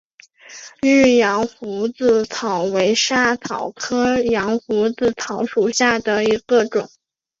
日羊胡子草为莎草科羊胡子草属下的一个种。